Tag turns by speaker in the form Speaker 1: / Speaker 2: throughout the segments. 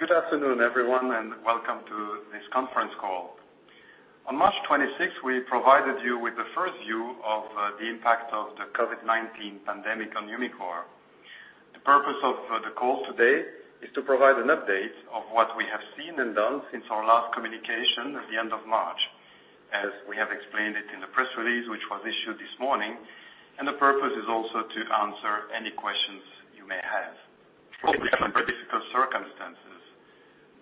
Speaker 1: Good afternoon, everyone, and welcome to this conference call. On March 26th, we provided you with the first view of the impact of the COVID-19 pandemic on Umicore. The purpose of the call today is to provide an update of what we have seen and done since our last communication at the end of March, as we have explained it in the press release, which was issued this morning, and the purpose is also to answer any questions you may have. For these unprecedented circumstances,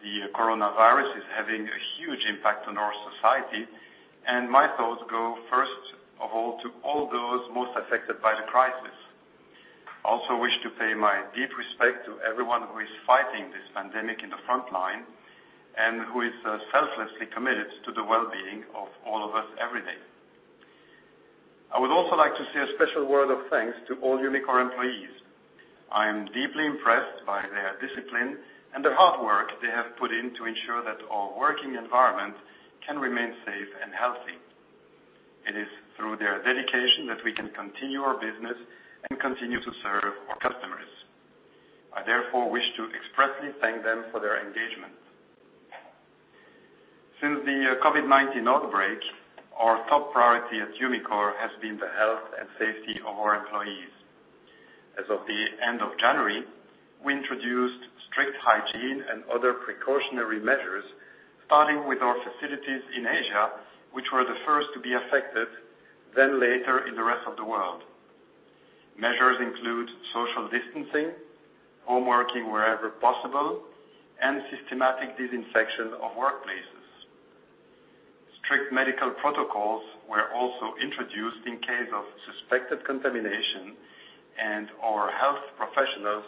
Speaker 1: the coronavirus is having a huge impact on our society, and my thoughts go first of all to all those most affected by the crisis. I also wish to pay my deep respect to everyone who is fighting this pandemic in the front line, and who is selflessly committed to the well-being of all of us every day. I would also like to say a special word of thanks to all Umicore employees. I am deeply impressed by their discipline and the hard work they have put in to ensure that our working environment can remain safe and healthy. It is through their dedication that we can continue our business and continue to serve our customers. I therefore wish to expressly thank them for their engagement. Since the COVID-19 outbreak, our top priority at Umicore has been the health and safety of our employees. As of the end of January, we introduced strict hygiene and other precautionary measures, starting with our facilities in Asia, which were the first to be affected, then later in the rest of the world. Measures include social distancing, home working wherever possible, and systematic disinfection of workplaces. Strict medical protocols were also introduced in case of suspected contamination and our health professionals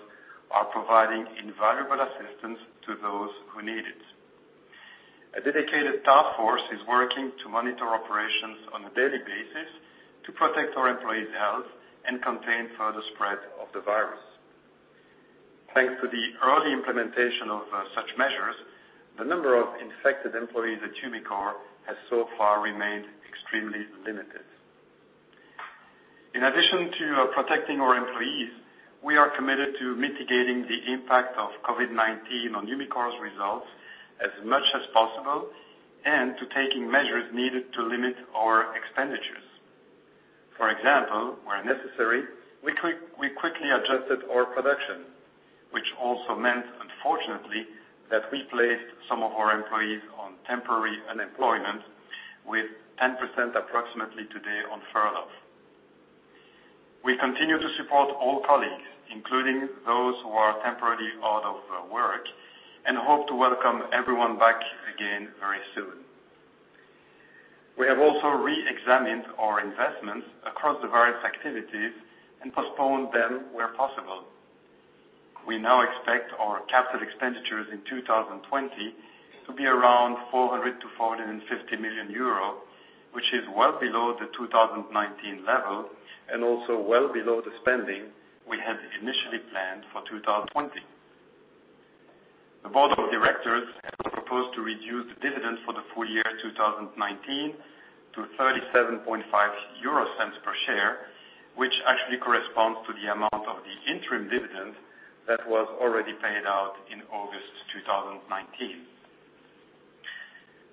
Speaker 1: are providing invaluable assistance to those who need it. A dedicated task force is working to monitor operations on a daily basis to protect our employees' health and contain further spread of the virus. Thanks to the early implementation of such measures, the number of infected employees at Umicore has so far remained extremely limited. In addition to protecting our employees, we are committed to mitigating the impact of COVID-19 on Umicore's results as much as possible, and to taking measures needed to limit our expenditures. For example, where necessary, we quickly adjusted our production, which also meant, unfortunately, that we placed some of our employees on temporary unemployment with 10% approximately today on furlough. We continue to support all colleagues, including those who are temporarily out of work, and hope to welcome everyone back again very soon. We have also re-examined our investments across the various activities and postponed them where possible. We now expect our capital expenditures in 2020 to be around 400 million-450 million euro, which is well below the 2019 level and also well below the spending we had initially planned for 2020. The board of directors has proposed to reduce the dividend for the full year 2019 to 0.375 per share, which actually corresponds to the amount of the interim dividend that was already paid out in August 2019.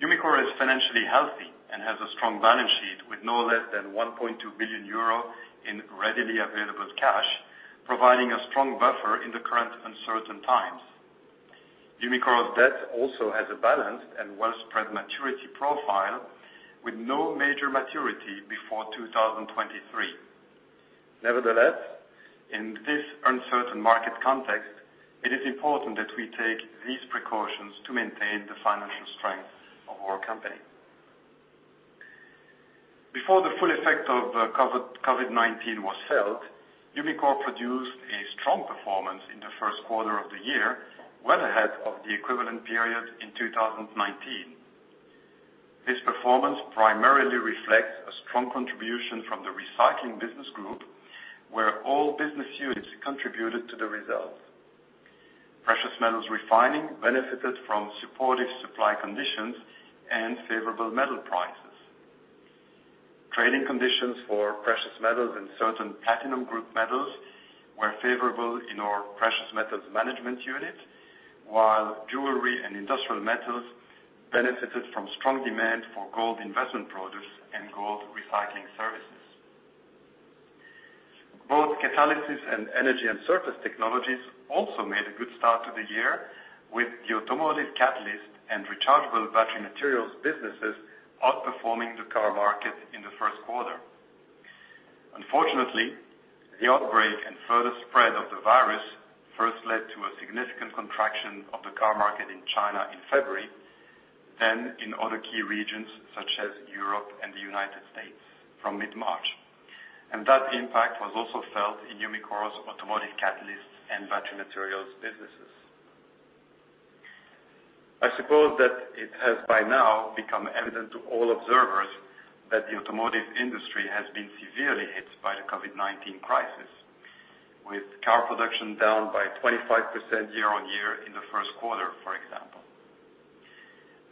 Speaker 1: Umicore is financially healthy and has a strong balance sheet with no less than 1.2 billion euro in readily available cash, providing a strong buffer in the current uncertain times. Umicore's debt also has a balanced and well-spread maturity profile, with no major maturity before 2023. Nevertheless, in this uncertain market context, it is important that we take these precautions to maintain the financial strength of our company. Before the full effect of COVID-19 was felt, Umicore produced a strong performance in the first quarter of the year, well ahead of the equivalent period in 2019. This performance primarily reflects a strong contribution from the Recycling business group, where all business units contributed to the results. Precious Metals Refining benefited from supportive supply conditions and favorable metal prices. Trading conditions for precious metals and certain platinum group metals were favorable in our Precious Metals Management unit, while Jewelry & Industrial Metals benefited from strong demand for gold investment products and gold recycling services. Both Catalysis and Energy & Surface Technologies also made a good start to the year, with the Automotive Catalysts and Rechargeable Battery Materials businesses outperforming the car market in the first quarter. Unfortunately, the outbreak and further spread of the virus first led to a significant contraction of the car market in China in February, then in other key regions such as Europe and the U.S. from mid-March. That impact was also felt in Umicore's Automotive Catalysts and battery materials businesses. I suppose that it has by now become evident to all observers that the automotive industry has been severely hit by the COVID-19 crisis, with car production down by 25% year-on-year in the first quarter, for example.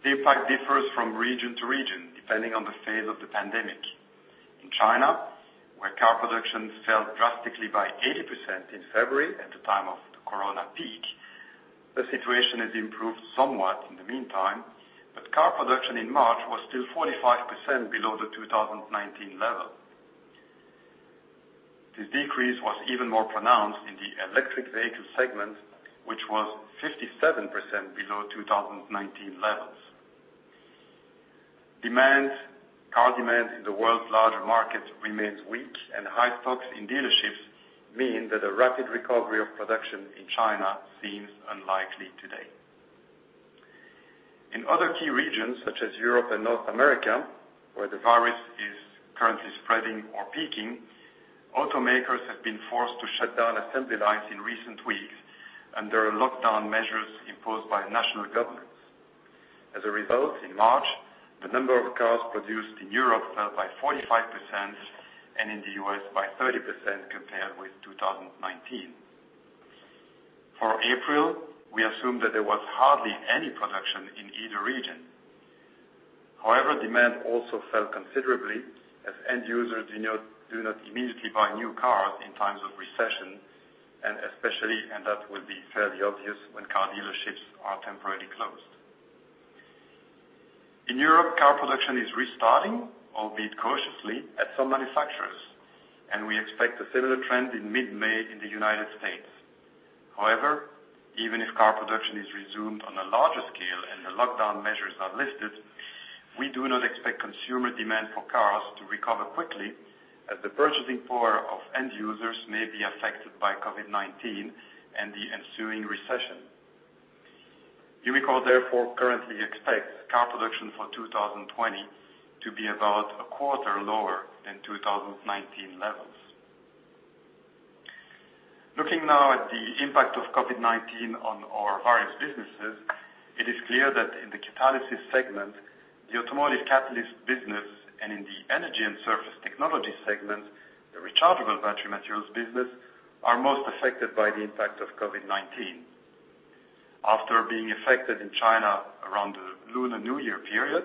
Speaker 1: The impact differs from region to region, depending on the phase of the pandemic. In China, where car production fell drastically by 80% in February at the time of the corona peak, the situation has improved somewhat in the meantime, but car production in March was still 45% below the 2019 level. This decrease was even more pronounced in the electric vehicle segment, which was 57% below 2019 levels. Car demand in the world's larger markets remains weak, and high stocks in dealerships mean that a rapid recovery of production in China seems unlikely today. In other key regions such as Europe and North America, where the virus is currently spreading or peaking, automakers have been forced to shut down assembly lines in recent weeks under lockdown measures imposed by national governments. As a result, in March, the number of cars produced in Europe fell by 45% and in the U.S. by 30% compared with 2019. For April, we assumed that there was hardly any production in either region. Demand also fell considerably as end users do not immediately buy new cars in times of recession, and especially, and that will be fairly obvious, when car dealerships are temporarily closed. In Europe, car production is restarting, albeit cautiously, at some manufacturers, and we expect a similar trend in mid-May in the United States. Even if car production is resumed on a larger scale and the lockdown measures are lifted, we do not expect consumer demand for cars to recover quickly as the purchasing power of end users may be affected by COVID-19 and the ensuing recession. Umicore therefore currently expects car production for 2020 to be about a quarter lower than 2019 levels. Looking now at the impact of COVID-19 on our various businesses, it is clear that in the Catalysis segment, the Automotive Catalysts business, and in the Energy & Surface Technologies segment, the Rechargeable Battery Materials business, are most affected by the impact of COVID-19. After being affected in China around the Lunar New Year period,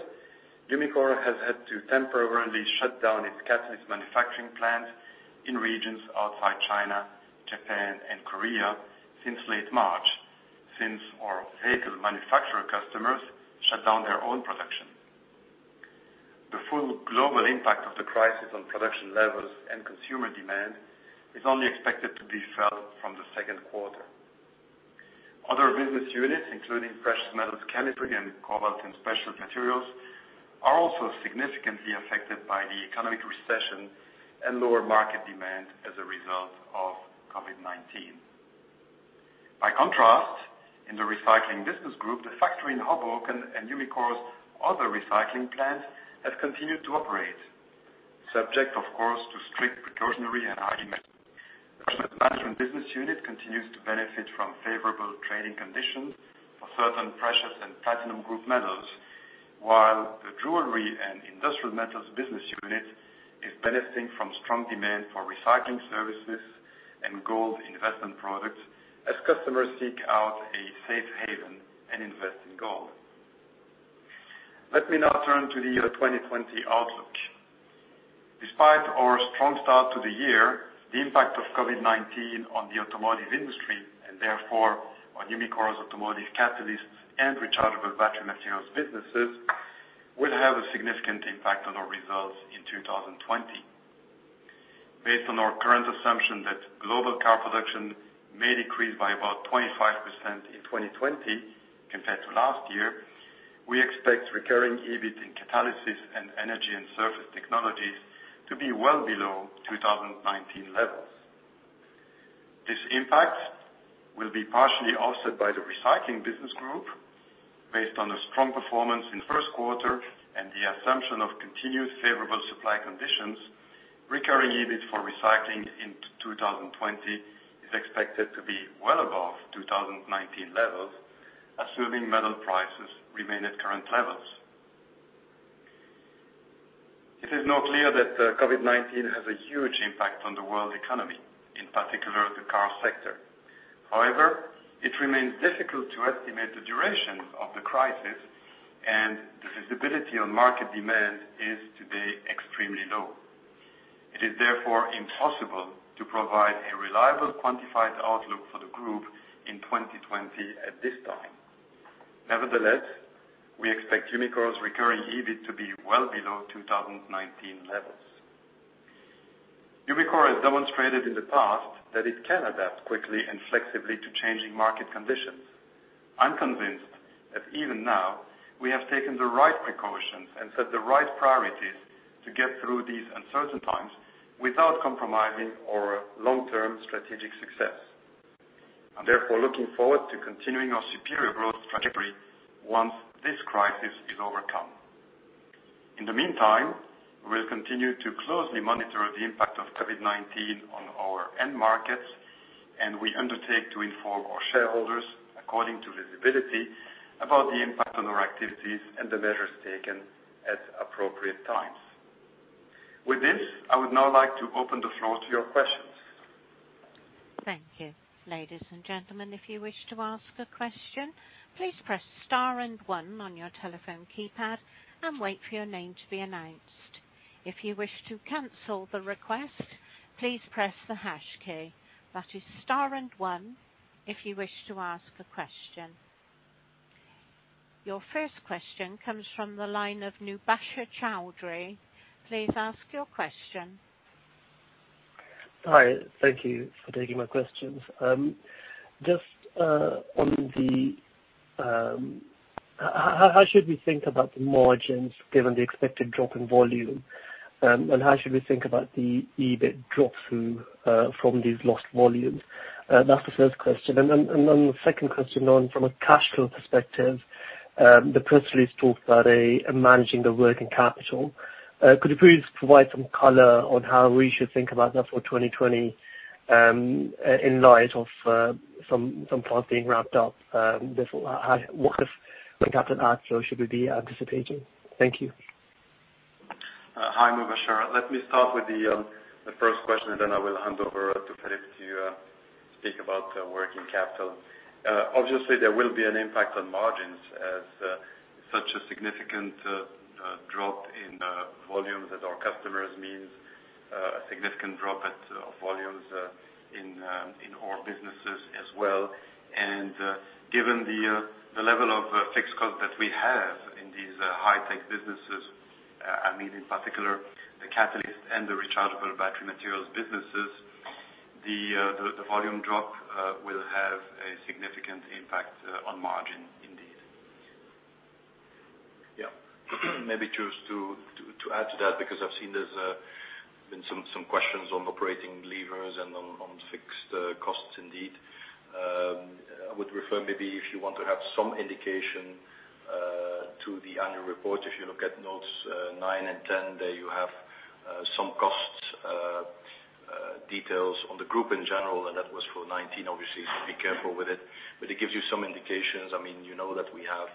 Speaker 1: Umicore has had to temporarily shut down its catalyst manufacturing plants in regions outside China, Japan, and Korea since late March, since our vehicle manufacturer customers shut down their own production. The full global impact of the crisis on production levels and consumer demand is only expected to be felt from the second quarter. Other business units, including Precious Metals Chemistry and Cobalt & Specialty Materials, are also significantly affected by the economic recession and lower market demand as a result of COVID-19. By contrast, in the Recycling business group, the factory in Hoboken and Umicore's other recycling plants have continued to operate, subject, of course, to strict precautionary and hygiene measures. The management business unit continues to benefit from favorable trading conditions for certain precious and platinum group metals, while the Jewelry & Industrial Metals business unit is benefiting from strong demand for recycling services and gold investment products as customers seek out a safe haven and invest in gold. Let me now turn to the year 2020 outlook. Despite our strong start to the year, the impact of COVID-19 on the automotive industry, and therefore on Umicore's Automotive Catalysts and Rechargeable Battery Materials businesses, will have a significant impact on our results in 2020. Based on our current assumption that global car production may decrease by about 25% in 2020 compared to last year, we expect recurring EBIT in Catalysis and Energy & Surface Technologies to be well below 2019 levels. This impact will be partially offset by the Recycling business group based on a strong performance in the first quarter and the assumption of continued favorable supply conditions. Recurring EBIT for Recycling into 2020 is expected to be well above 2019 levels, assuming metal prices remain at current levels. It is now clear that COVID-19 has a huge impact on the world economy, in particular the car sector. However, it remains difficult to estimate the duration of the crisis, and the visibility on market demand is today extremely low. It is therefore impossible to provide a reliable quantified outlook for the group in 2020 at this time. Nevertheless, we expect Umicore's recurring EBIT to be well below 2019 levels. Umicore has demonstrated in the past that it can adapt quickly and flexibly to changing market conditions. I'm convinced that even now, we have taken the right precautions and set the right priorities to get through these uncertain times without compromising our long-term strategic success. I'm therefore looking forward to continuing our superior growth trajectory once this crisis is overcome. In the meantime, we will continue to closely monitor the impact of COVID-19 on our end markets, and we undertake to inform our shareholders, according to visibility, about the impact on our activities and the measures taken at appropriate times. With this, I would now like to open the floor to your questions.
Speaker 2: Thank you. Ladies and gentlemen, if you wish to ask a question, please press star and one on your telephone keypad and wait for your name to be announced. If you wish to cancel the request, please press the hash key. That is star and one if you wish to ask a question. Your first question comes from the line of Mubasher Chaudhry. Please ask your question.
Speaker 3: Hi. Thank you for taking my questions. How should we think about the margins given the expected drop in volume, and how should we think about the EBIT drop from these lost volumes? That's the first question. The second question, from a cash flow perspective, the press release talked about managing the working capital. Could you please provide some color on how we should think about that for 2020 in light of some parts being wrapped up? What kind of working capital outflow should we be anticipating? Thank you.
Speaker 1: Hi, Mubasher. Let me start with the first question, and then I will hand over to Filip to speak about the working capital. Obviously, there will be an impact on margins as such a significant drop in volume with our customers means a significant drop of volumes in our businesses as well. Given the level of fixed cost that we have in these high-tech businesses, I mean, in particular, the Automotive Catalysts and the Rechargeable Battery Materials businesses, the volume drop will have a significant impact on margin indeed.
Speaker 4: Maybe just to add to that, because I've seen there's been some questions on operating levers and on fixed costs indeed. I would refer maybe if you want to have some indication to the annual report. If you look at notes nine and 10 there, you have some cost details on the group in general. That was for 2019, obviously, so be careful with it. It gives you some indications. You know that we have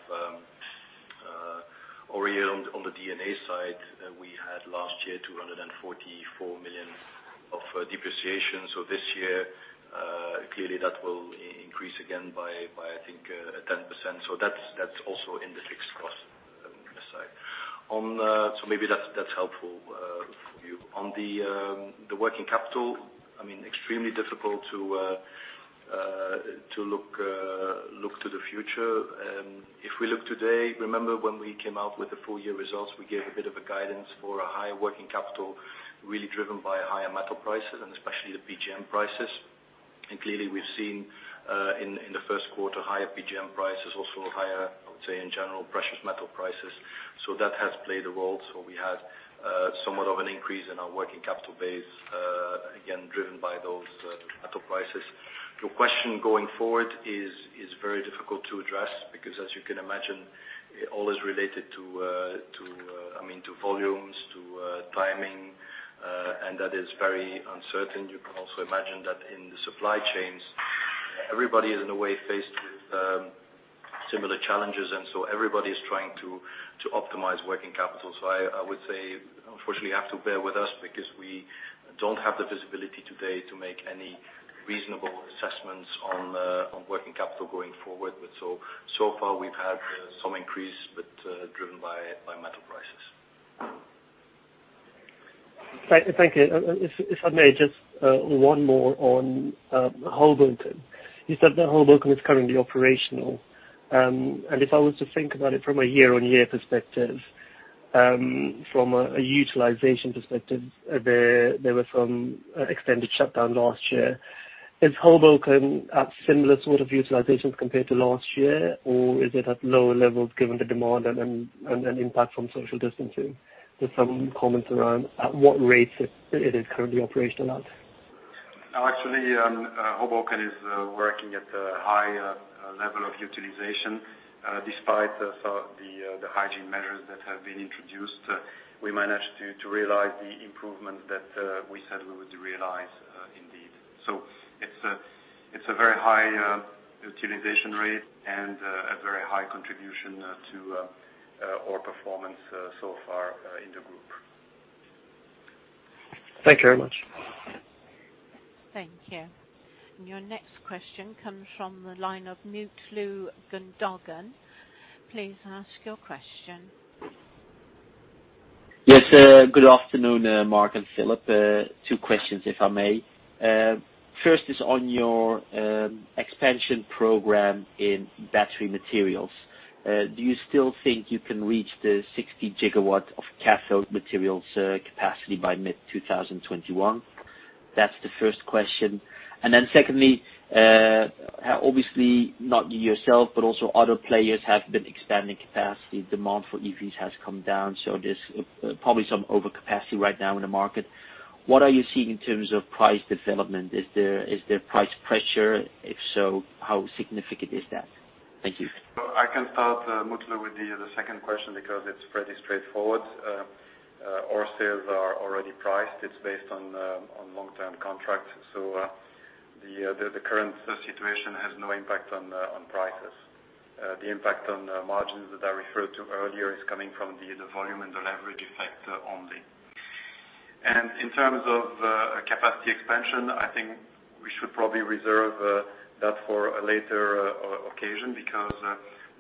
Speaker 4: ore yield on the D&A side. We had last year 244 million of depreciation. This year, clearly that will increase again by I think 10%. That's also in the fixed cost side. Maybe that's helpful for you. On the working capital, extremely difficult to look to the future. If we look today, remember when we came out with the full-year results, we gave a bit of a guidance for a higher working capital, really driven by higher metal prices and especially the PGM prices. Clearly, we've seen in the first quarter higher PGM prices, also higher, I would say, in general, precious metal prices. That has played a role. We had somewhat of an increase in our working capital base, again, driven by those metal prices. Your question going forward is very difficult to address because, as you can imagine, all is related to volumes, to timing, and that is very uncertain. You can also imagine that in the supply chains, everybody is in a way faced with similar challenges, and so everybody is trying to optimize working capital. I would say, unfortunately, you have to bear with us because we don't have the visibility today to make any reasonable assessments on working capital going forward. So far, we've had some increase, but driven by metal prices.
Speaker 3: Thank you. If I may, just one more on Hoboken. You said that Hoboken is currently operational. If I was to think about it from a year-on-year perspective, from a utilization perspective, there was some extended shutdown last year. Is Hoboken at similar sort of utilizations compared to last year, or is it at lower levels given the demand and impact from social distancing? Just some comments around at what rates it is currently operational at.
Speaker 1: No, actually, Hoboken is working at a high level of utilization. Despite the hygiene measures that have been introduced, we managed to realize the improvement that we said we would realize indeed. It's a very high utilization rate and a very high contribution to our performance so far in the group.
Speaker 3: Thank you very much.
Speaker 2: Thank you. Your next question comes from the line of Mutlu Gundogan. Please ask your question.
Speaker 5: Yes. Good afternoon, Marc and Filip. Two questions, if I may. First is on your expansion program in battery materials. Do you still think you can reach the 60 GW of cathode materials [surge] capacity by mid-2021? That's the first question. Secondly, obviously not you yourself, but also other players have been expanding capacity. Demand for EVs has come down, there's probably some overcapacity right now in the market. What are you seeing in terms of price development? Is there price pressure? If so, how significant is that? Thank you.
Speaker 1: I can start, Mutlu, with the second question because it's pretty straightforward. Our sales are already priced. It's based on long-term contracts. The current situation has no impact on prices. The impact on margins that I referred to earlier is coming from the volume and the leverage effect only. In terms of capacity expansion, I think we should probably reserve that for a later occasion because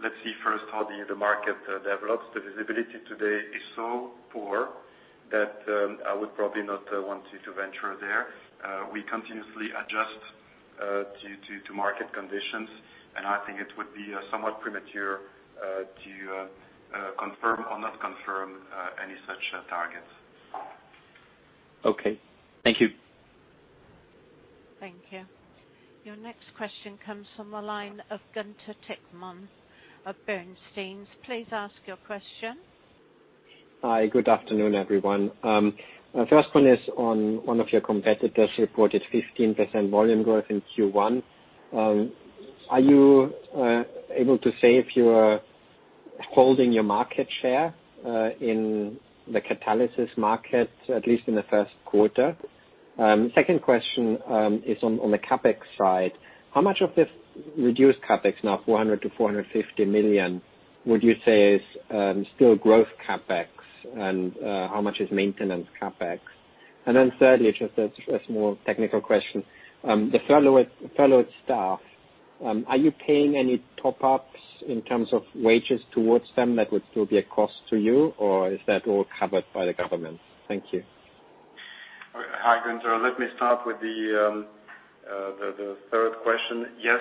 Speaker 1: let's see first how the market develops. The visibility today is so poor that I would probably not want to venture there. We continuously adjust to market conditions, and I think it would be somewhat premature to confirm or not confirm any such targets.
Speaker 5: Okay. Thank you.
Speaker 2: Thank you. Your next question comes from the line of Gunther Zechmann of Bernstein. Please ask your question.
Speaker 6: Hi, good afternoon, everyone. First one is on one of your competitors reported 15% volume growth in Q1. Are you able to say if you are holding your market share in the catalysis market, at least in the first quarter? Second question is on the CapEx side, how much of this reduced CapEx, now 400 million-450 million, would you say is still growth CapEx and how much is maintenance CapEx? Thirdly, just a small technical question. The furloughed staff, are you paying any top-ups in terms of wages towards them that would still be a cost to you, or is that all covered by the government? Thank you.
Speaker 1: Hi, Gunther. Let me start with the third question. Yes,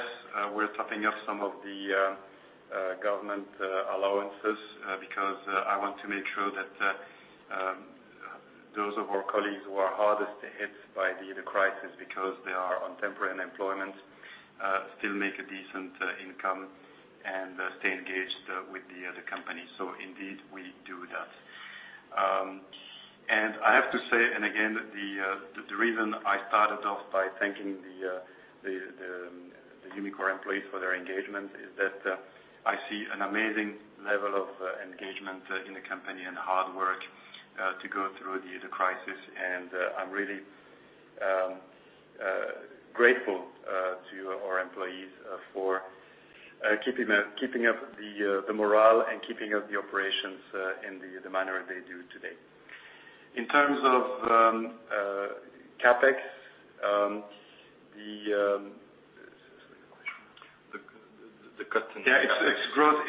Speaker 1: we're topping up some of the government allowances because I want to make sure that those of our colleagues who are hardest hit by the crisis because they are on temporary unemployment still make a decent income and stay engaged with the company. Indeed, we do that. I have to say, and again, the reason I started off by thanking the Umicore employees for their engagement is that I see an amazing level of engagement in the company and hard work to go through the crisis. I'm really grateful to our employees for keeping up the morale and keeping up the operations in the manner they do today. In terms of CapEx, the custom- It's growth.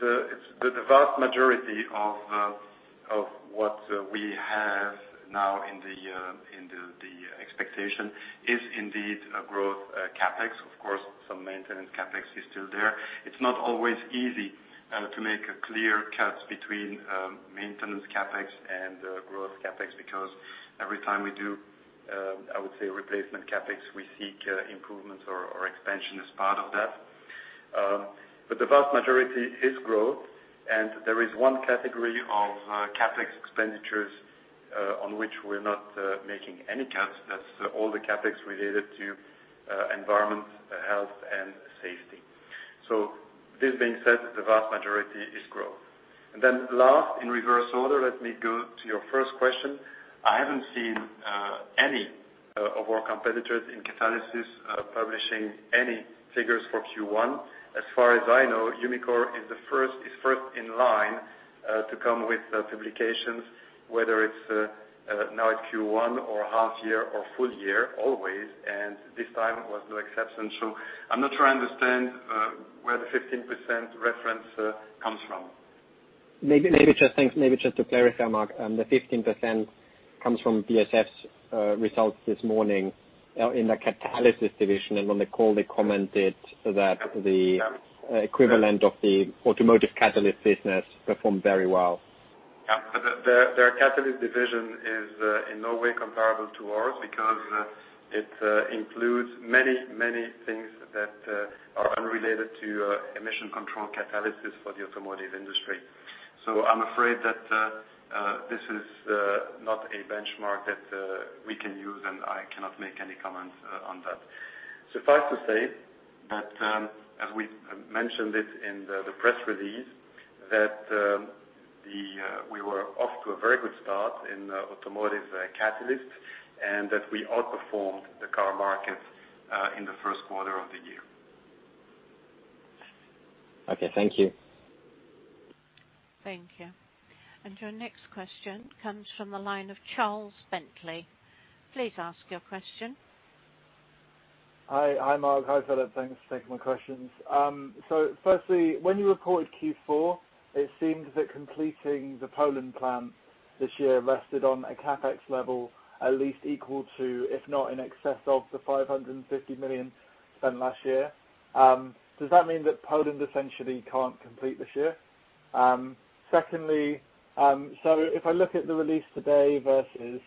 Speaker 1: The vast majority of what we have now in the expectation is indeed a growth CapEx. Of course, some maintenance CapEx is still there. It's not always easy to make a clear cut between maintenance CapEx and growth CapEx because every time we do, I would say, replacement CapEx, we seek improvements or expansion as part of that. But the vast majority is growth. There is one category of CapEx expenditures on which we're not making any cuts. That's all the CapEx related to environment, health, and safety. This being said, the vast majority is growth. Last, in reverse order, let me go to your first question. I haven't seen any of our competitors in catalysis publishing any figures for Q1. As far as I know, Umicore is first in line to come with publications, whether it is now at Q1 or half year or full year, always, and this time was no exception. I'm not sure I understand where the 15% reference comes from.
Speaker 6: Maybe just to clarify, Marc, the 15% comes from BASF's results this morning in the catalysis division. On the call, they commented that the equivalent of the Automotive Catalysts business performed very well.
Speaker 1: Their catalyst division is in no way comparable to ours because it includes many things that are unrelated to emission control catalysis for the automotive industry. I'm afraid that this is not a benchmark that we can use, and I cannot make any comments on that. Suffice to say that, as we mentioned it in the press release, that we were off to a very good start in Automotive Catalysts and that we outperformed the car market in the first quarter of the year.
Speaker 6: Okay. Thank you.
Speaker 2: Thank you. Your next question comes from the line of Charles Bentley. Please ask your question.
Speaker 7: Hi, Marc. Hi, Filip. Thanks for taking my questions. Firstly, when you reported Q4, it seems that completing the Poland plant this year rested on a CapEx level at least equal to, if not in excess of the 550 million spent last year. Does that mean that Poland essentially can't complete this year? Secondly, if I look at the release today versus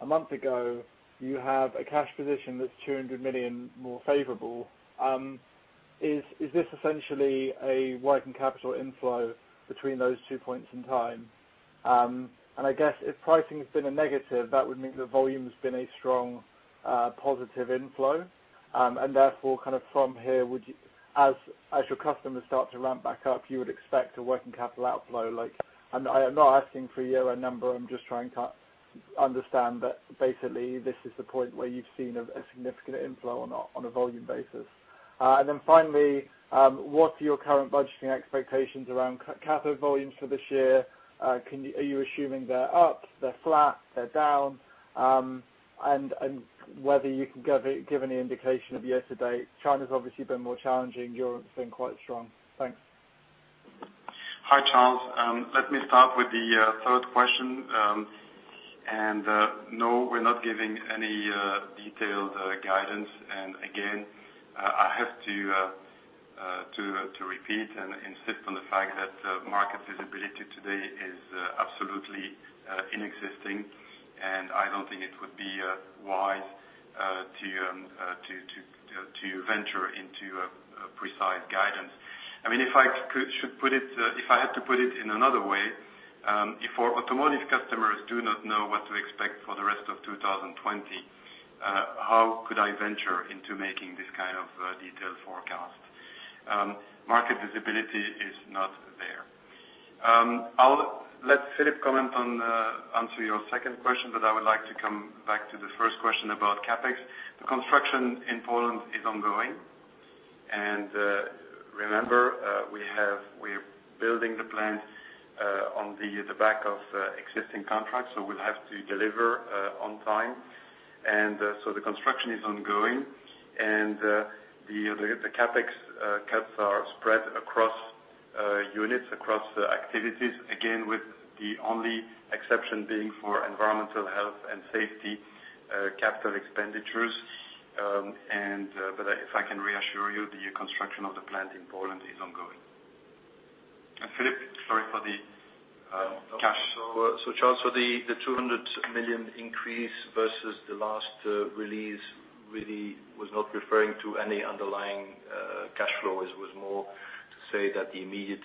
Speaker 7: a month ago, you have a cash position that's 200 million more favorable. Is this essentially a working capital inflow between those two points in time? I guess if pricing has been a negative, that would mean the volume has been a strong positive inflow. Therefore, from here, as your customers start to ramp back up, you would expect a working capital outflow like I'm not asking for a year-end number. I'm just trying to understand that basically this is the point where you've seen a significant inflow or not on a volume basis. Finally, what are your current budgeting expectations around cathode volumes for this year? Are you assuming they're up, they're flat, they're down? Whether you can give any indication of year-to-date. China's obviously been more challenging. Europe's been quite strong. Thanks.
Speaker 1: Hi, Charles. Let me start with the third question. No, we're not giving any detailed guidance. Again, I have to repeat and insist on the fact that market visibility today is absolutely inexistent, and I don't think it would be wise to venture into a precise guidance. If I had to put it in another way, if our automotive customers do not know what to expect for the rest of 2020, how could I venture into making this kind of detailed forecast? Market visibility is not there. I'll let Filip answer your second question, but I would like to come back to the first question about CapEx. The construction in Poland is ongoing. Remember, we're building the plant on the back of existing contracts, so we'll have to deliver on time. The construction is ongoing. The CapEx cuts are spread across units, across activities, again, with the only exception being for environmental health and safety capital expenditures. If I can reassure you, the construction of the plant in Poland is ongoing. Filip, sorry for the cash.
Speaker 4: Charles, the 200 million increase versus the last release really was not referring to any underlying cash flow. It was more to say that the immediate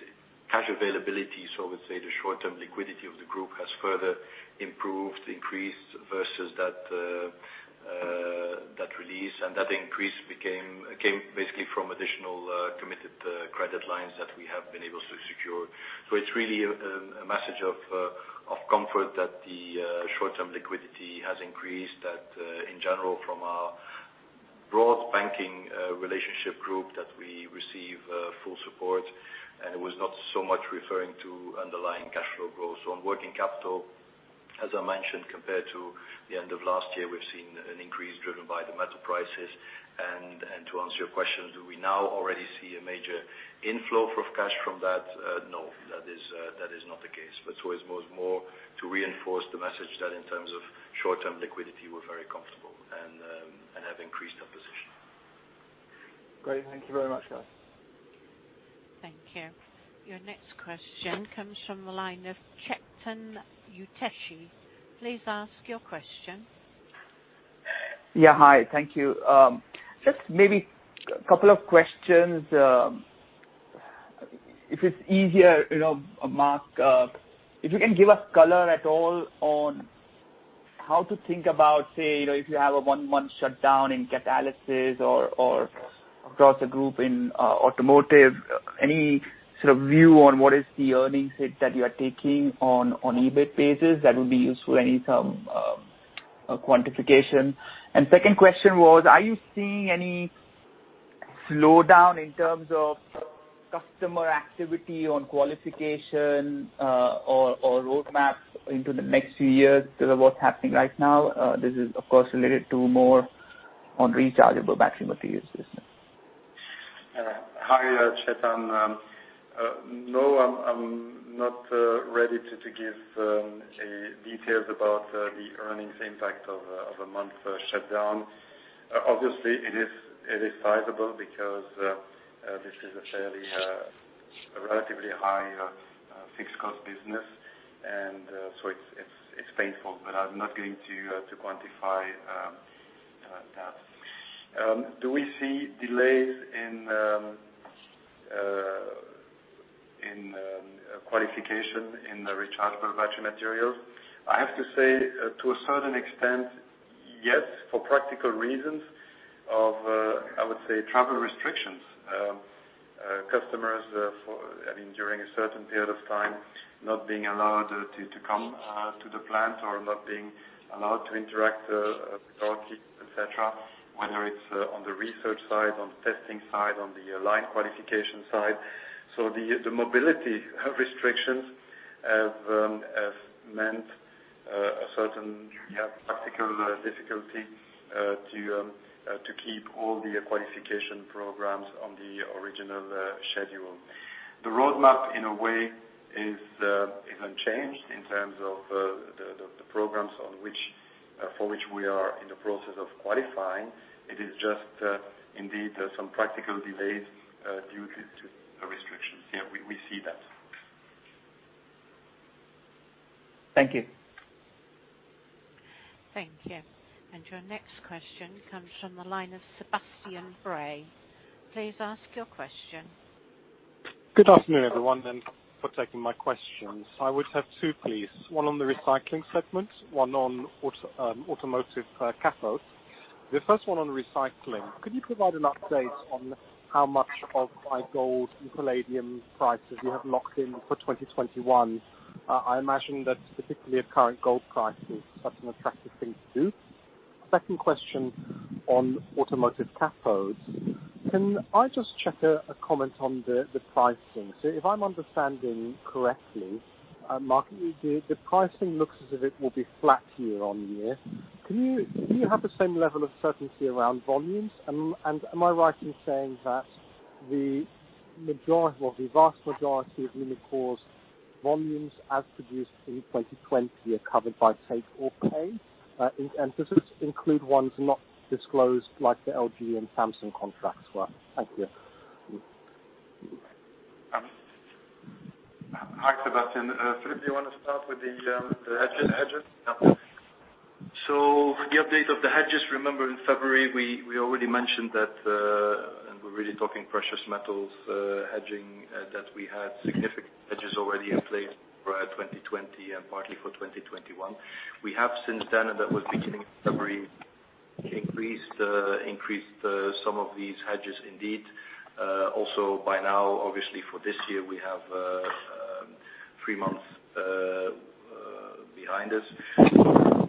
Speaker 4: cash availability, so I would say the short-term liquidity of the group, has further improved, increased versus that release. That increase came basically from additional committed credit lines that we have been able to secure. It's really a message of comfort that the short-term liquidity has increased, that in general from our broad banking relationship group, that we receive full support. It was not so much referring to underlying cash flow growth. On working capital, as I mentioned, compared to the end of last year, we've seen an increase driven by the metal prices. To answer your question, do we now already see a major inflow of cash from that? No. That is not the case. It's more to reinforce the message that in terms of short-term liquidity, we're very comfortable and have increased our position.
Speaker 7: Great. Thank you very much, guys.
Speaker 2: Thank you. Your next question comes from the line of Chetan Udeshi. Please ask your question.
Speaker 8: Yeah. Hi, thank you. Just maybe a couple of questions. If it's easier, Marc, if you can give us color at all on how to think about, say, if you have a one-month shutdown in catalysis or across the group in automotive, any sort of view on what is the earnings hit that you are taking on EBIT basis, that would be useful? Any some quantification. Second question was, are you seeing any slowdown in terms of customer activity on qualification or roadmaps into the next few years because of what's happening right now? This is, of course, related to more on Rechargeable Battery Materials business.
Speaker 1: Hi, Chetan. No, I'm not ready to give any details about the earnings impact of a month shutdown. Obviously, it is sizable because this is a relatively high fixed cost business, it's painful, I'm not going to quantify that. Do we see delays in qualification in the Rechargeable Battery Materials? I have to say, to a certain extent, yes, for practical reasons of, I would say, travel restrictions. Customers, during a certain period of time, not being allowed to come to the plant or not being allowed to interact with our team, et cetera, whether it's on the research side, on the testing side, on the line qualification side. The mobility restrictions have meant a certain practical difficulty to keep all the qualification programs on the original schedule. The roadmap, in a way, is unchanged in terms of the programs for which we are in the process of qualifying. It is just indeed some practical delays due to restrictions. Yeah, we see that.
Speaker 8: Thank you.
Speaker 2: Thank you. Your next question comes from the line of Sebastian Bray. Please ask your question.
Speaker 9: Good afternoon, everyone, and thank you for taking my questions. I would have two, please. One on the Recycling segment, one on automotive cathodes. The first one on Recycling. Could you provide an update on how much of gold and palladium prices you have locked in for 2021? I imagine that particularly at current gold prices, that's an attractive thing to do. Second question on automotive cathodes. Can I just check a comment on the pricing? If I'm understanding correctly, Marc, the pricing looks as if it will be flat year-over-year. Do you have the same level of certainty around volumes? Am I right in saying that the vast majority of Umicore's volumes as produced in 2020 are covered by take or pay? Does this include ones not disclosed, like the LG and Samsung contracts were? Thank you.
Speaker 1: Hi, Sebastian. Filip, you want to start with the hedges?
Speaker 4: The update of the hedges, remember in February, we already mentioned that, and we're really talking precious metals hedging, that we had significant hedges already in place for 2020 and partly for 2021. We have since then, and that was beginning of February, increased some of these hedges indeed. Also by now, obviously for this year, we have three months behind us.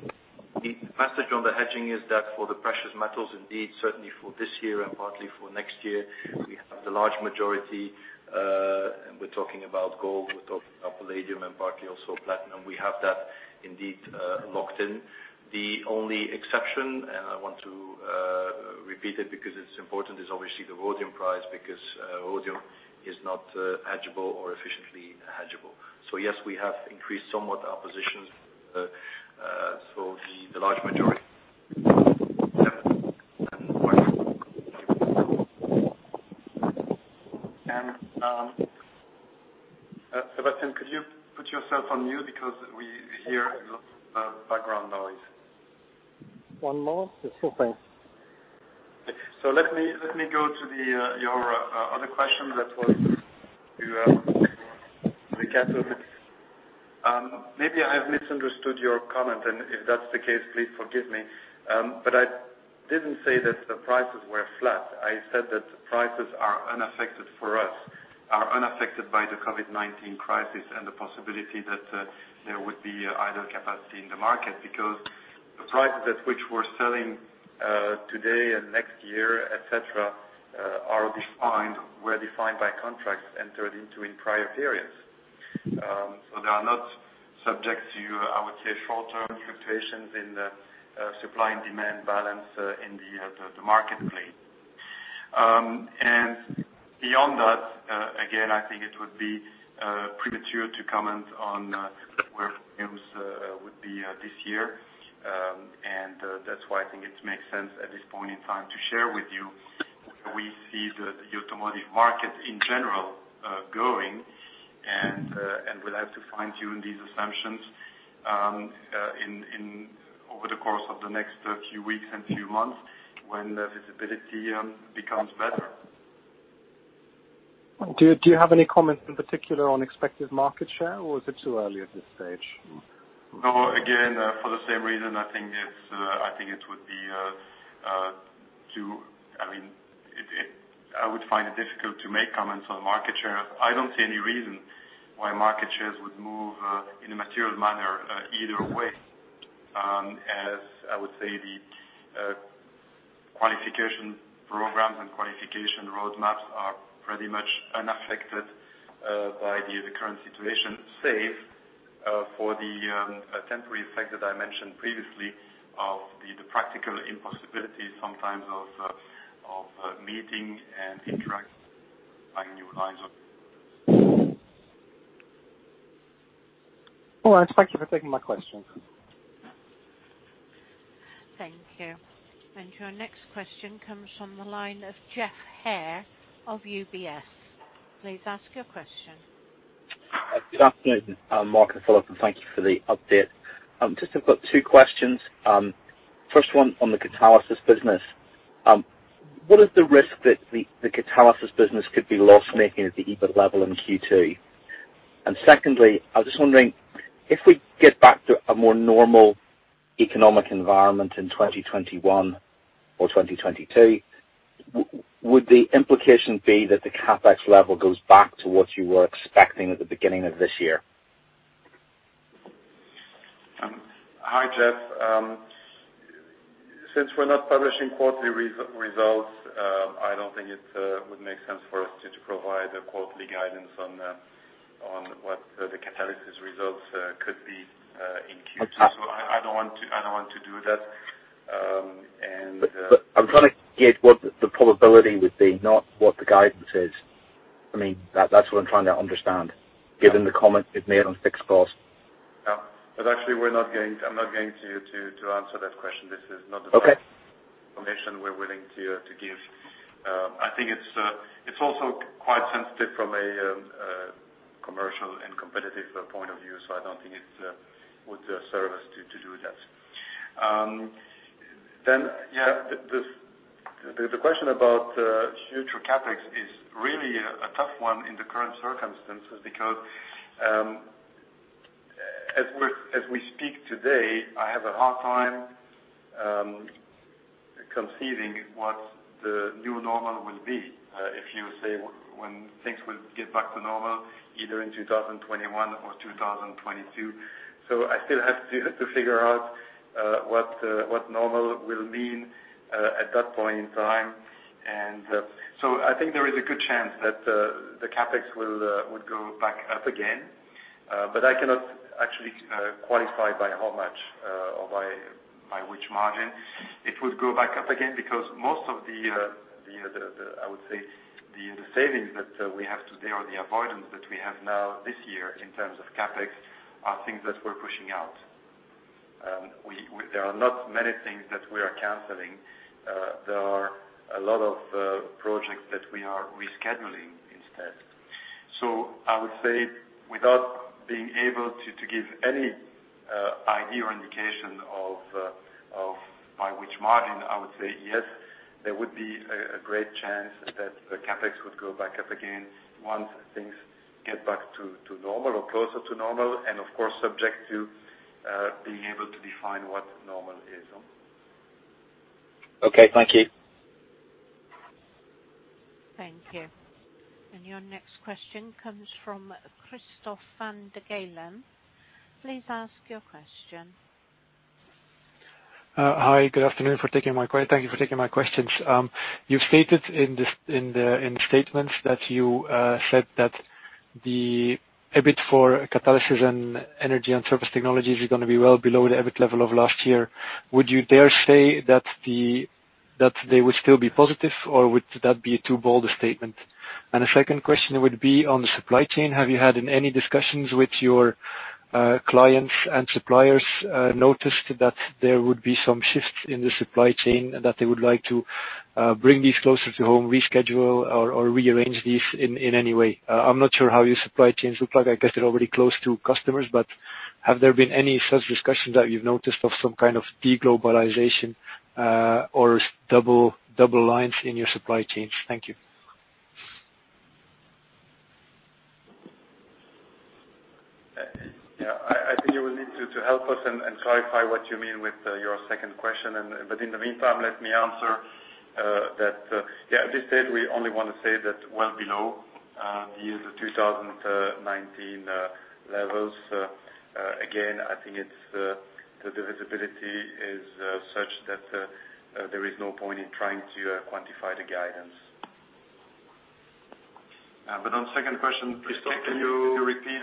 Speaker 4: The message on the hedging is that for the precious metals, indeed, certainly for this year and partly for next year, we have the large majority. We're talking about gold, we're talking about palladium, and partly also platinum. We have that indeed locked in. The only exception, I want to repeat it because it's important, is obviously the rhodium price because rhodium is not hedgeable or efficiently hedgeable. Yes, we have increased somewhat our positions for the large majority.
Speaker 1: Sebastian, could you put yourself on mute because we hear a lot of background noise.
Speaker 9: One more. Yes, thanks.
Speaker 1: Let me go to your other question that was to the cathodes. Maybe I've misunderstood your comment, and if that's the case, please forgive me. I didn't say that the prices were flat. I said that prices are unaffected for us, are unaffected by the COVID-19 crisis and the possibility that there would be idle capacity in the market because the prices at which we're selling today and next year, et cetera, were defined by contracts entered into in prior periods. They are not subject to, I would say, short-term fluctuations in the supply and demand balance in the marketplace. Beyond that, again, I think it would be premature to comment on where it would be this year. That's why I think it makes sense at this point in time to share with you where we see the automotive market in general going. We'll have to fine tune these assumptions over the course of the next few weeks and few months when the visibility becomes better.
Speaker 9: Do you have any comment in particular on expected market share, or is it too early at this stage?
Speaker 1: Again, for the same reason, I think I would find it difficult to make comments on market share. I don't see any reason why market shares would move in a material manner either way, as I would say the qualification programs and qualification roadmaps are pretty much unaffected by the current situation, save for the temporary effect that I mentioned previously of the practical impossibility sometimes of meeting and interacting.
Speaker 9: All right. Thank you for taking my question.
Speaker 2: Thank you. Your next question comes from the line of Geoff Haire of UBS. Please ask your question.
Speaker 10: Good afternoon Marc and Filip, and thank you for the update. Just have got two questions. First one on the Catalysis business. What is the risk that the Catalysis business could be loss-making at the EBIT level in Q2? Secondly, I was just wondering if we get back to a more normal economic environment in 2021 or 2022, would the implication be that the CapEx level goes back to what you were expecting at the beginning of this year?
Speaker 1: Hi, Geoff. Since we're not publishing quarterly results, I don't think it would make sense for us to provide a quarterly guidance on what the Catalysis results could be in Q2. I don't want to do that.
Speaker 10: I'm trying to gauge what the probability would be, not what the guidance is. That's what I'm trying to understand, given the comments you've made on fixed cost.
Speaker 1: Yeah. Actually, I'm not going to answer that question. This is not the-
Speaker 10: Okay.
Speaker 1: information we're willing to give. I think it's also quite sensitive from a commercial and competitive point of view, so I don't think it would serve us to do that. Yeah, the question about future CapEx is really a tough one in the current circumstances because as we speak today, I have a hard time conceiving what the new normal will be. If you say when things will get back to normal either in 2021 or 2022. I still have to figure out what normal will mean at that point in time. I think there is a good chance that the CapEx would go back up again. I cannot actually quantify by how much, or by which margin it would go back up again, because most of the savings that we have today or the avoidance that we have now this year in terms of CapEx, are things that we're pushing out. There are not many things that we are canceling. There are a lot of projects that we are rescheduling instead. I would say, without being able to give any idea or indication of by which margin, I would say, yes, there would be a great chance that the CapEx would go back up again once things get back to normal or closer to normal. Of course, subject to being able to define what normal is.
Speaker 10: Okay. Thank you.
Speaker 2: Thank you. Your next question comes from Christophe van der Gheynst. Please ask your question.
Speaker 11: Hi. Good afternoon. Thank you for taking my questions. You stated in the statements that you said that the EBIT for Catalysis and Energy & Surface Technologies is going to be well below the EBIT level of last year. Would you dare say that they would still be positive, or would that be too bold a statement? The second question would be on the supply chain. Have you had any discussions with your clients and suppliers, noticed that there would be some shifts in the supply chain that they would like to bring these closer to home, reschedule or rearrange these in any way? I'm not sure how your supply chains look like. I guess they're already close to customers, but have there been any such discussions that you've noticed of some kind of de-globalization or double lines in your supply chains? Thank you.
Speaker 1: Yeah. I think you will need to help us and clarify what you mean with your second question. In the meantime, let me answer that. Yeah. At this stage, we only want to say that well below the year 2019 levels. Again, I think the visibility is such that there is no point in trying to quantify the guidance. On the second question, Christophe, can you repeat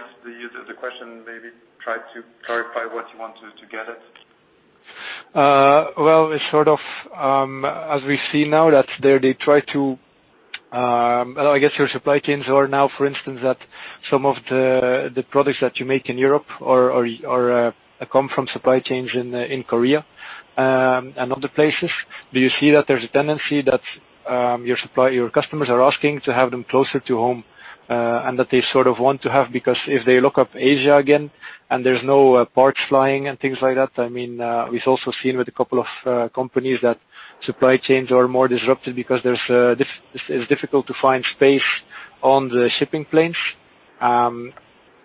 Speaker 1: the question? Maybe try to clarify what you want to get at.
Speaker 11: As we see now, I guess your supply chains are now, for instance, that some of the products that you make in Europe or come from supply chains in Korea and other places. Do you see that there's a tendency that your customers are asking to have them closer to home, and that they sort of want to have, because if they lock up Asia again and there's no ports flying and things like that? We've also seen with a couple of companies that supply chains are more disrupted because it's difficult to find space on the shipping planes.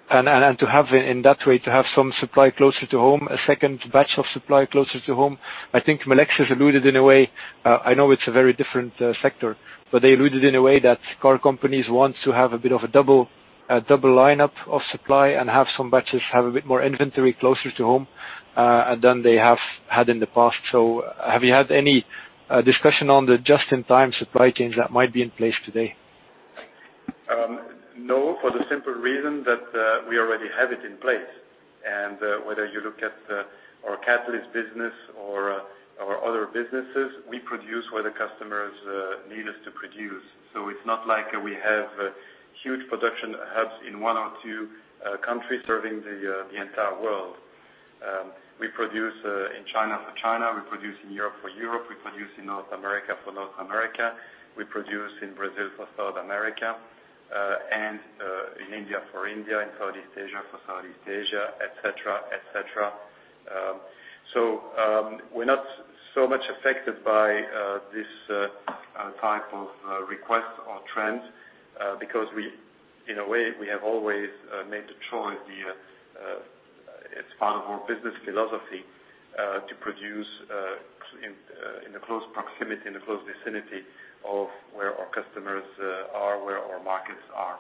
Speaker 11: To have in that way to have some supply closer to home, a second batch of supply closer to home. I think Melexis alluded in a way. I know it's a very different sector, but they alluded in a way that car companies want to have a bit of a double lineup of supply and have some batches, have a bit more inventory closer to home than they have had in the past. Have you had any discussion on the just-in-time supply chains that might be in place today?
Speaker 1: No, for the simple reason that we already have it in place. Whether you look at our catalyst business or our other businesses, we produce where the customers need us to produce. It's not like we have huge production hubs in one or two countries serving the entire world. We produce in China for China, we produce in Europe for Europe, we produce in North America for North America, we produce in Brazil for South America, and in India for India, in Southeast Asia for Southeast Asia, et cetera. We're not so much affected by this type of request or trend because in a way, we have always made the choice. It's part of our business philosophy to produce in a close proximity, in a close vicinity of where our customers are, where our markets are.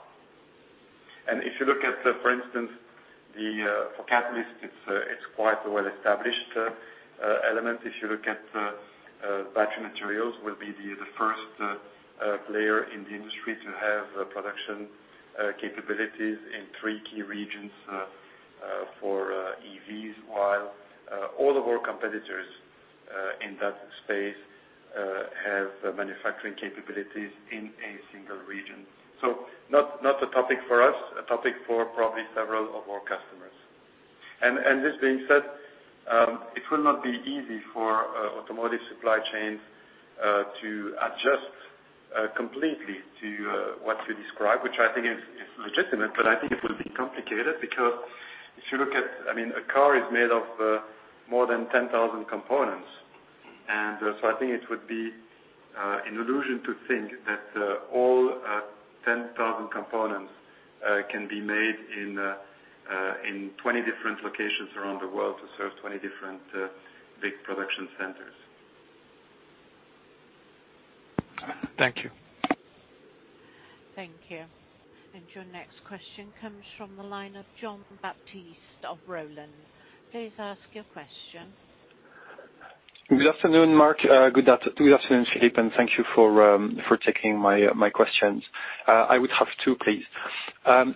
Speaker 1: If you look at, for instance, for catalyst, it's quite a well-established element. If you look at battery materials, we'll be the first player in the industry to have production capabilities in three key regions for EVs, while all of our competitors in that space have manufacturing capabilities in a single region. Not a topic for us, a topic for probably several of our customers. This being said, it will not be easy for automotive supply chains to adjust completely to what you describe, which I think is legitimate. I think it will be complicated because a car is made of more than 10,000 components. I think it would be an illusion to think that all 10,000 components can be made in 20 different locations around the world to serve 20 different big production centers.
Speaker 11: Thank you.
Speaker 2: Thank you. Your next question comes from the line of Jean-Baptiste [of] Rolland. Please ask your question.
Speaker 12: Good afternoon, Marc. Good afternoon, Filip, and thank you for taking my questions. I would have two, please.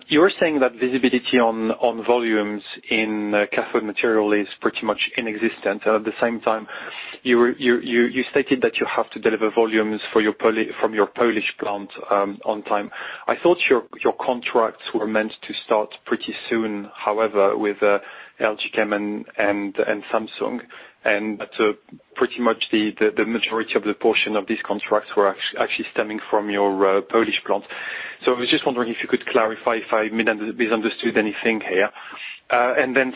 Speaker 12: You were saying that visibility on volumes in cathode material is pretty much inexistent. At the same time, you stated that you have to deliver volumes from your Polish plant on time. I thought your contracts were meant to start pretty soon, however, with LG Chem and Samsung, and that pretty much the majority of the portion of these contracts were actually stemming from your Polish plant. I was just wondering if you could clarify if I misunderstood anything here.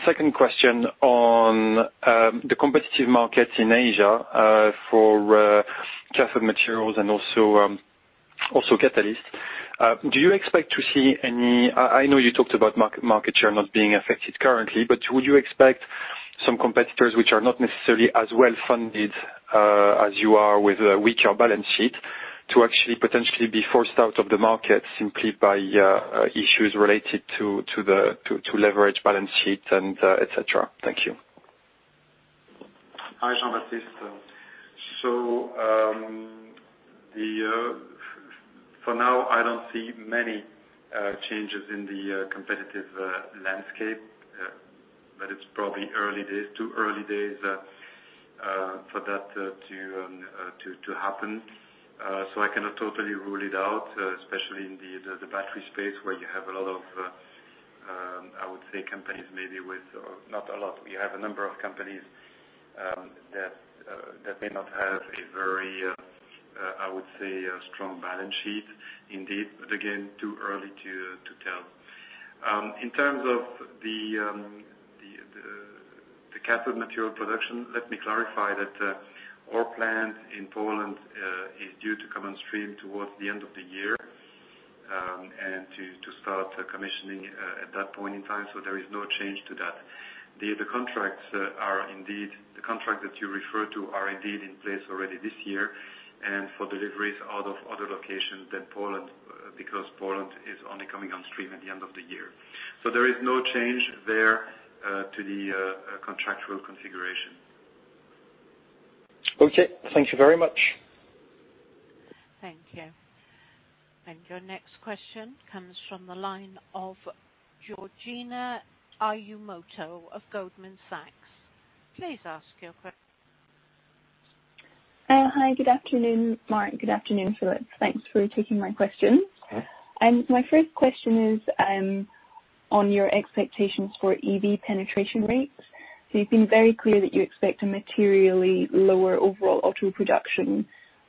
Speaker 12: Second question on the competitive markets in Asia, for cathode materials and also catalysts. I know you talked about market share not being affected currently, but would you expect some competitors, which are not necessarily as well funded as you are, with a weaker balance sheet, to actually potentially be forced out of the market simply by issues related to leverage balance sheet and et cetera? Thank you.
Speaker 1: Hi, Jean-Baptiste. For now, I don't see many changes in the competitive landscape. It's probably too early days for that to happen. I cannot totally rule it out, especially in the battery space where we have a number of companies that may not have a very, I would say, strong balance sheet indeed, but again, too early to tell. In terms of the cathode material production, let me clarify that our plant in Poland is due to come on stream towards the end of the year, and to start commissioning at that point in time. There is no change to that. The contracts that you refer to are indeed in place already this year, and for deliveries out of other locations than Poland, because Poland is only coming on stream at the end of the year. There is no change there to the contractual configuration.
Speaker 12: Okay. Thank you very much.
Speaker 2: Thank you. Your next question comes from the line of Georgina Iwamoto of Goldman Sachs. Please ask your que-.
Speaker 13: Hi. Good afternoon, Marc. Good afternoon, Filip. Thanks for taking my questions.
Speaker 1: Okay.
Speaker 13: My first question is on your expectations for EV penetration rates. You've been very clear that you expect a materially lower overall auto production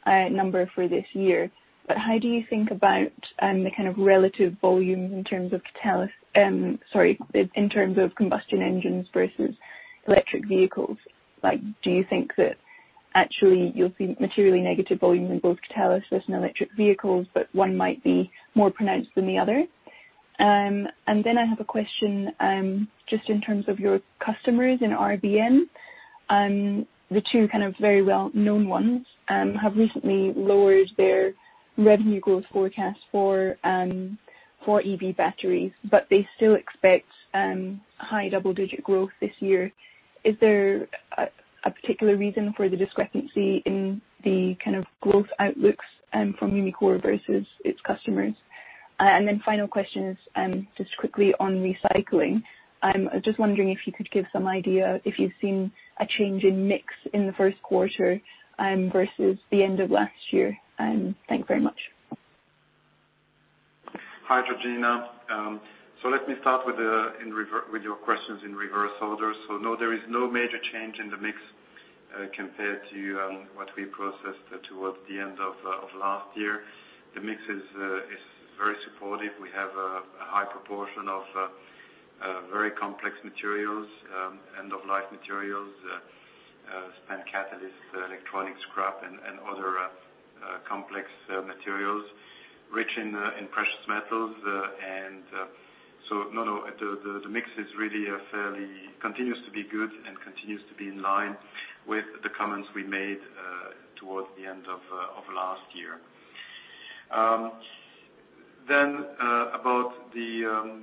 Speaker 13: number for this year. How do you think about the kind of relative volume in terms of combustion engines versus electric vehicles? Do you think that actually you'll see materially negative volume in both catalysts versus electric vehicles, but one might be more pronounced than the other? I have a question, just in terms of your customers in RBM. The two kind of very well-known ones have recently lowered their revenue growth forecast for EV batteries, but they still expect high double-digit growth this year. Is there a particular reason for the discrepancy in the kind of growth outlooks from Umicore versus its customers? Final question is, just quickly on recycling. I'm just wondering if you could give some idea if you've seen a change in mix in the first quarter versus the end of last year? Thanks very much.
Speaker 1: Hi, Georgina. Let me start with your questions in reverse order. No, there is no major change in the mix compared to what we processed towards the end of last year. The mix is very supportive. We have a high proportion of very complex materials, end-of-life materials, spent catalyst, electronic scrap, and other complex materials rich in precious metals. No, the mix continues to be good and continues to be in line with the comments we made towards the end of last year. About the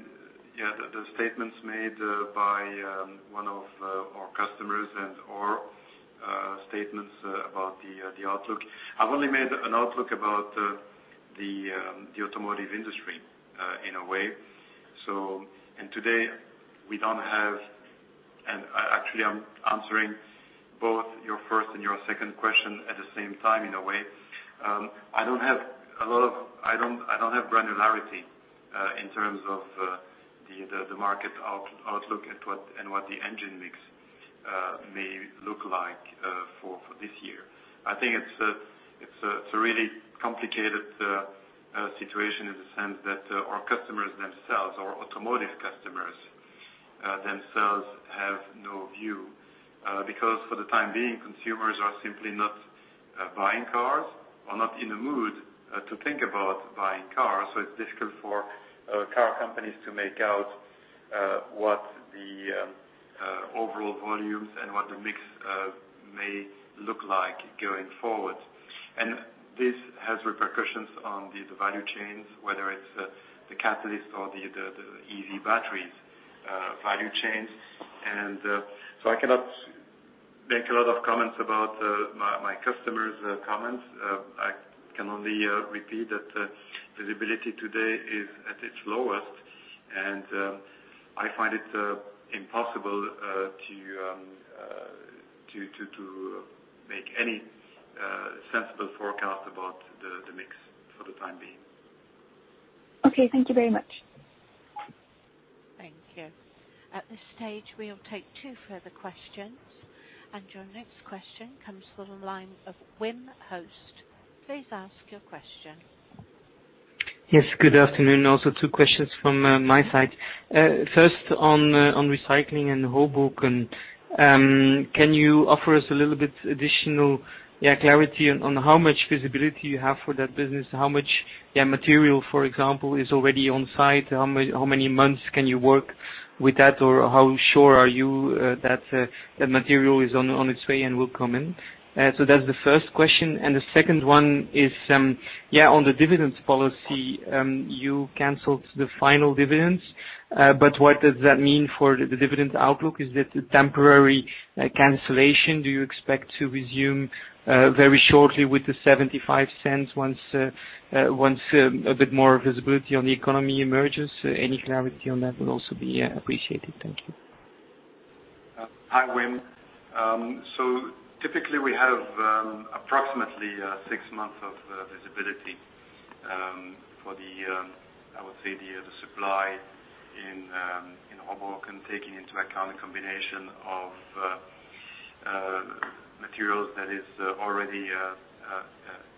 Speaker 1: statements made by one of our customers and/or statements about the outlook. I've only made an outlook about the automotive industry, in a way. Today, I'm answering both your first and your second question at the same time, in a way. I don't have granularity in terms of the market outlook and what the engine mix may look like for this year. I think it's a really complicated situation in the sense that our customers themselves, our automotive customers themselves have no view. For the time being, consumers are simply not buying cars or not in the mood to think about buying cars. It's difficult for car companies to make out what the overall volumes and what the mix may look like going forward. This has repercussions on the value chains, whether it's the catalyst or the EV batteries value chains. I cannot make a lot of comments about my customers' comments. I can only repeat that visibility today is at its lowest, and I find it impossible to make any sensible forecast about the mix for the time being.
Speaker 13: Okay. Thank you very much.
Speaker 2: Thank you. At this stage, we'll take two further questions. Your next question comes from the line of [Wim Hoste]. Please ask your question.
Speaker 14: Yes, good afternoon. Also two questions from my side. First, on Recycling and Hoboken. Can you offer us a little bit additional clarity on how much visibility you have for that business? How much material, for example, is already on site? How many months can you work with that? How sure are you that the material is on its way and will come in? That's the first question. The second one is on the dividends policy. You canceled the final dividends. What does that mean for the dividend outlook? Is it a temporary cancellation? Do you expect to resume very shortly with 0.75 once a bit more visibility on the economy emerges? Any clarity on that will also be appreciated. Thank you.
Speaker 1: Hi, Wim. Typically, we have approximately six months of visibility for the, I would say the supply in Hoboken, taking into account a combination of materials that is already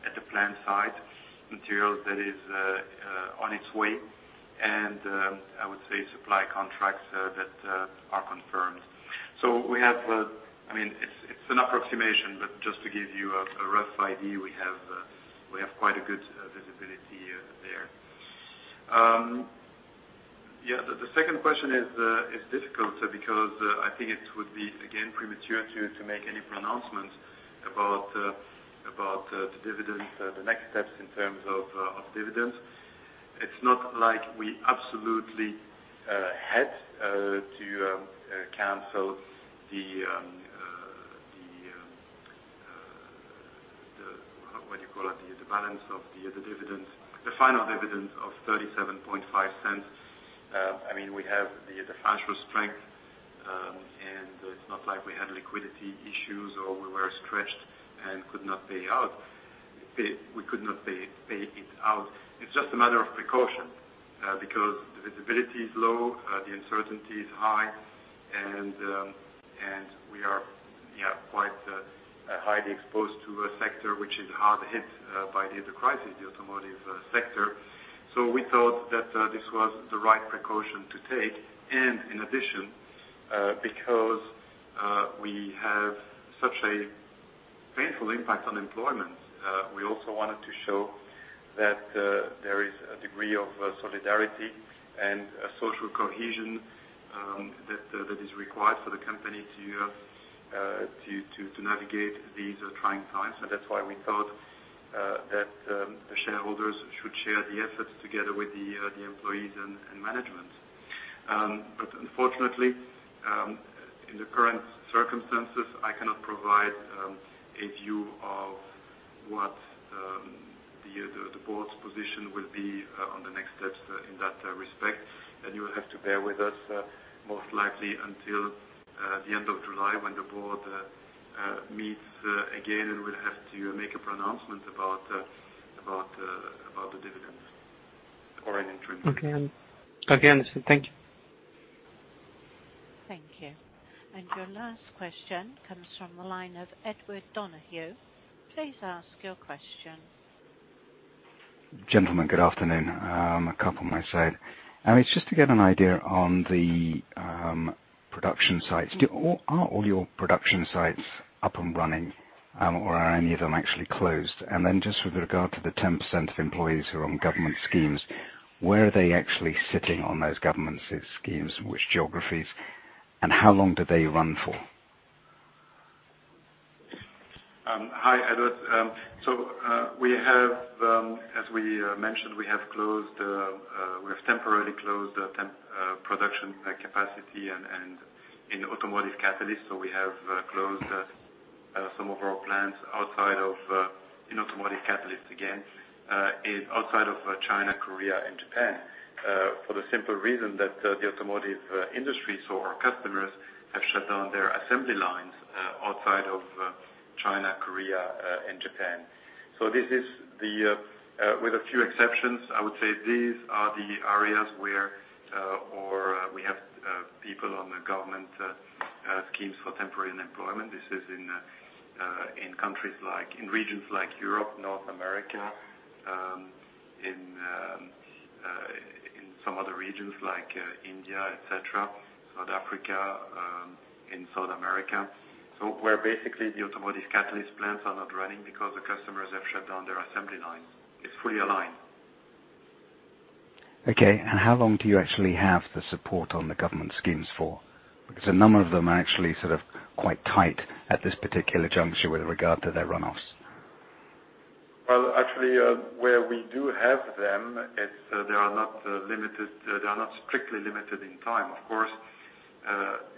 Speaker 1: at the plant site, materials that is on its way, and I would say supply contracts that are confirmed. It's an approximation, but just to give you a rough idea, we have quite a good visibility there. The second question is difficult because I think it would be, again, premature to make any pronouncements about the dividend, the next steps in terms of dividends. It's not like we absolutely had to cancel the, what do you call it? The balance of the dividend, the final dividend of 0.375. We have the financial strength, and it's not like we had liquidity issues or we were stretched and could not pay it out. It's just a matter of precaution, because the visibility is low, the uncertainty is high, and we are quite highly exposed to a sector which is hard hit by the crisis, the automotive sector. We thought that this was the right precaution to take. In addition, because we have such a painful impact on employment, we also wanted to show that there is a degree of solidarity and social cohesion that is required for the company to navigate these trying times. That's why we thought that the shareholders should share the efforts together with the employees and management. Unfortunately, in the current circumstances, I cannot provide a view of what the board's position will be on the next steps in that respect. You will have to bear with us, most likely until the end of July, when the board meets again and will have to make a pronouncement about the dividends or an interim.
Speaker 14: Okay. Understood. Thank you.
Speaker 2: Thank you. Your last question comes from the line of Edward Donahue. Please ask your question.
Speaker 15: Gentlemen, good afternoon. A couple my side. It's just to get an idea on the production sites. Are all your production sites up and running, or are any of them actually closed? Then just with regard to the 10% of employees who are on government schemes, where are they actually sitting on those government schemes, which geographies, and how long do they run for?
Speaker 1: Hi, Edward. We have, as we mentioned, we have temporarily closed production capacity and in Automotive Catalysts, we have closed some of our plants outside of, in Automotive Catalysts again, outside of China, Korea, and Japan. For the simple reason that the automotive industry, so our customers, have shut down their assembly lines outside of China, Korea, and Japan. This is, with a few exceptions, I would say these are the areas where we have people on the government schemes for temporary unemployment. This is in countries like, in regions like Europe, North America, in some other regions like India, et cetera, South Africa, in South America. Where basically the Automotive Catalysts plants are not running because the customers have shut down their assembly lines. It's fully aligned.
Speaker 15: Okay. How long do you actually have the support on the government schemes for? Because a number of them are actually sort of quite tight at this particular juncture with regard to their runoffs.
Speaker 1: Actually, where we do have them, they are not strictly limited in time. Of course,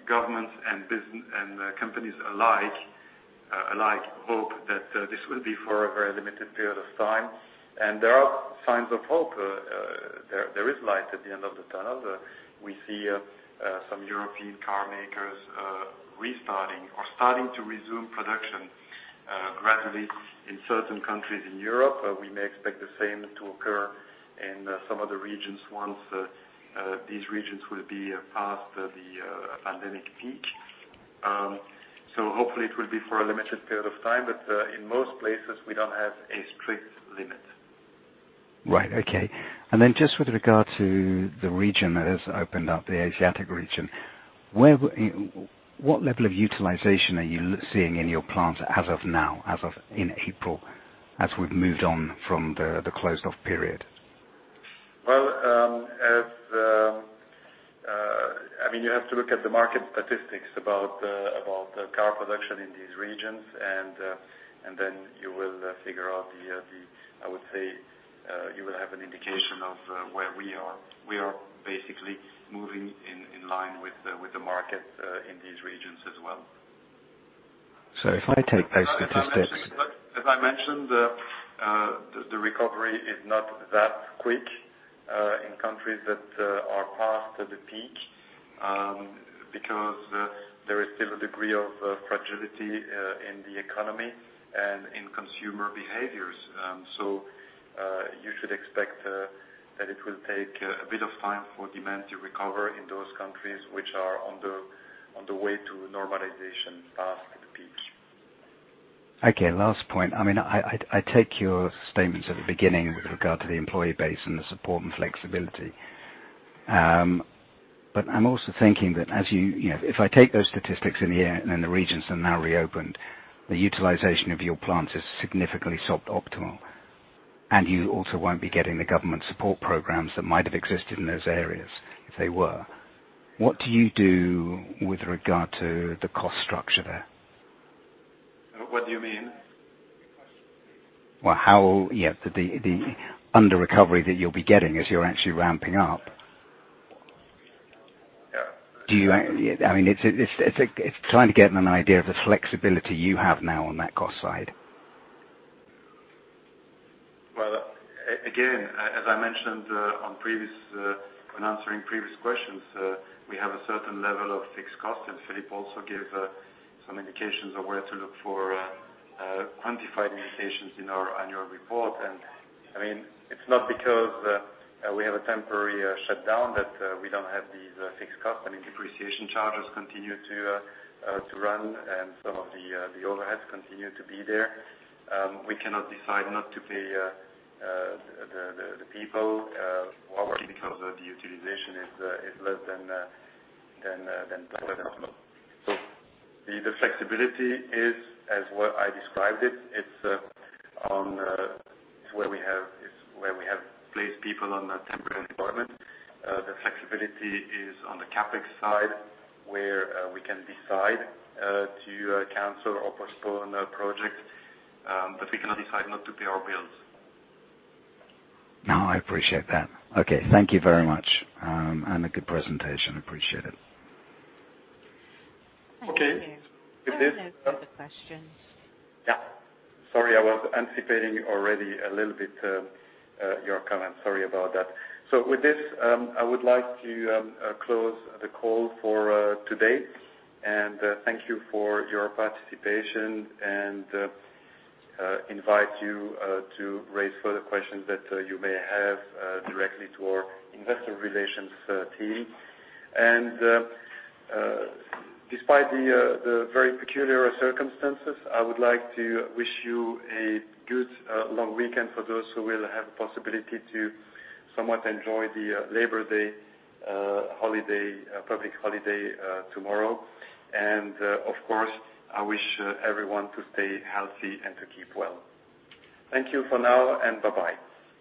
Speaker 1: governments and companies alike hope that this will be for a very limited period of time, and there are signs of hope. There is light at the end of the tunnel. We see some European car makers restarting or starting to resume production gradually in certain countries in Europe. We may expect the same to occur in some other regions once these regions will be past the pandemic peak. Hopefully it will be for a limited period of time. In most places, we don't have a strict limit.
Speaker 15: Right. Okay. Just with regard to the region that has opened up, the Asiatic region, what level of utilization are you seeing in your plants as of now, as of in April, as we've moved on from the closed off period?
Speaker 1: Well, you have to look at the market statistics about the car production in these regions and then you will figure out, I would say, you will have an indication of where we are. We are basically moving in line with the market, in these regions as well.
Speaker 15: If I take those statistics...
Speaker 1: As I mentioned, the recovery is not that quick in countries that are past the peak, because there is still a degree of fragility in the economy and in consumer behaviors. You should expect that it will take a bit of time for demand to recover in those countries, which are on the way to normalization past the peak.
Speaker 15: Okay. Last point. I take your statements at the beginning with regard to the employee base and the support and flexibility. I'm also thinking that if I take those statistics in the regions that are now reopened, the utilization of your plant is significantly sub-optimal. You also won't be getting the government support programs that might have existed in those areas if they were. What do you do with regard to the cost structure there?
Speaker 1: What do you mean?
Speaker 15: Well, yeah, the under-recovery that you'll be getting as you're actually ramping up.
Speaker 1: Yeah.
Speaker 15: It's trying to get an idea of the flexibility you have now on that cost side.
Speaker 1: Well, again, as I mentioned when answering previous questions, we have a certain level of fixed cost, and Filip also gave some indications of where to look for quantified indications in our annual report. It's not because we have a temporary shutdown that we don't have these fixed costs. I mean, depreciation charges continue to run, and some of the overheads continue to be there. We cannot decide not to pay the people, obviously, because the utilization is less than optimal. The flexibility is as what I described it. It's where we have placed people on a temporary deployment. The flexibility is on the CapEx side, where we can decide to cancel or postpone a project, but we cannot decide not to pay our bills.
Speaker 15: No, I appreciate that. Okay. Thank you very much. A good presentation. Appreciate it.
Speaker 1: Okay.
Speaker 2: Thank you. That answers the question.
Speaker 1: Sorry, I was anticipating already a little bit your comment. Sorry about that. With this, I would like to close the call for today and thank you for your participation and invite you to raise further questions that you may have directly to our investor relations team. Despite the very peculiar circumstances, I would like to wish you a good long weekend for those who will have the possibility to somewhat enjoy the Labor Day public holiday tomorrow. Of course, I wish everyone to stay healthy and to keep well. Thank you for now, and bye-bye.